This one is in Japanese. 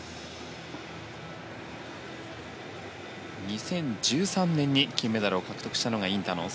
２０１３年に金メダルを獲得したのがインタノン。